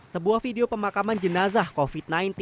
sebuah video pemakaman jenazah covid sembilan belas